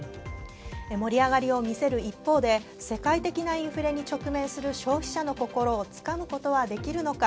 盛り上がりを見せる一方で世界的なインフレに直面する消費者の心をつかむことはできるのか。